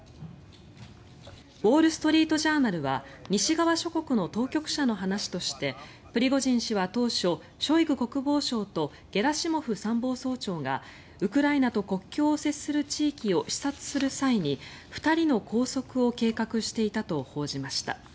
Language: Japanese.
ウォール・ストリート・ジャーナルは西側諸国の当局者の話としてプリゴジン氏は当初ショイグ国防相とゲラシモフ参謀総長がウクライナと国境を接する地域を視察する際に２人の拘束を計画していたと報じました。